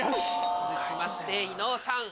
続きまして伊野尾さん